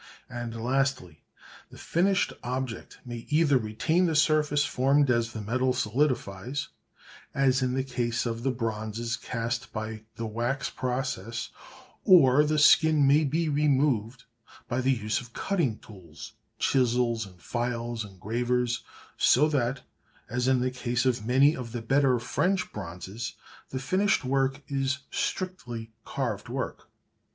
And lastly, the finished object may either retain the surface formed as the metal solidifies, as in the case of the bronzes cast by the wax process, or the skin may be removed by the use of cutting tools, chisels and files and gravers, so that, as in the case of many of the better French bronzes, the finished work is strictly carved work.